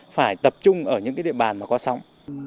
phải tập trung ở những địa bàn có sóng